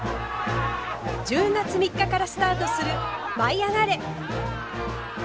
１０月３日からスタートする「舞いあがれ！」。